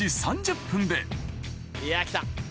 いや来た。